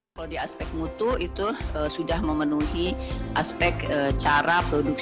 kalau di aspek mutu itu sudah memenuhi aspek cara produksi